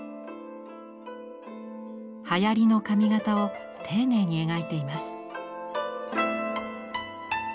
はやりの髪形を丁寧に描いています。